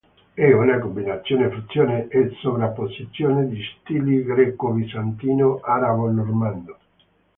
È una combinazione, fusione e sovrapposizione di stili greco-bizantino-arabo-normanno.